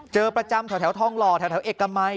ประจำแถวทองหล่อแถวเอกมัย